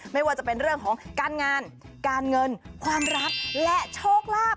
ไม่ว่าจะเป็นเรื่องของการงานการเงินความรักและโชคลาภ